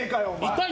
痛い！